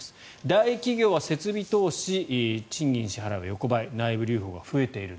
大企業は設備投資、賃金支払いは横ばい内部留保が増えている。